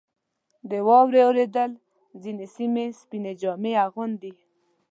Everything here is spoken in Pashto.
• د واورې اورېدل ځینې سیمې سپینې جامې اغوندي.